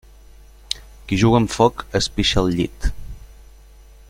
Qui juga amb foc es pixa al llit.